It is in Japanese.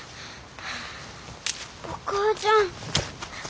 お母ちゃん。